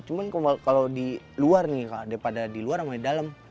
cuman kalau di luar nih daripada di luar sama di dalam